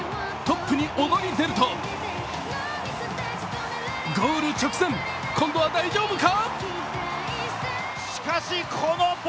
一気に飛び出るとゴール直前、今度は大丈夫か？